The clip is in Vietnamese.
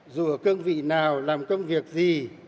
dù ở cương vị nào làm công việc gì